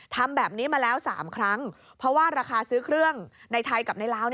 ทำแบบนี้มาแล้ว๓ครั้งเพราะว่าราคาซื้อเครื่องในไทยกับในลาว